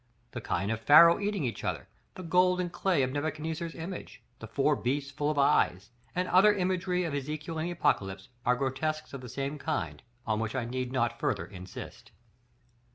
The kine of Pharaoh eating each other, the gold and clay of Nebuchadnezzar's image, the four beasts full of eyes, and other imagery of Ezekiel and the Apocalypse, are grotesques of the same kind, on which I need not further insist.